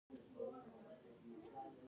ډيپلومات د ویزو او پاسپورټ چارو ته رسېدنه کوي.